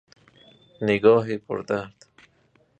نگاه پردرد